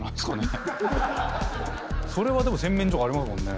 それはでも洗面所がありますもんね。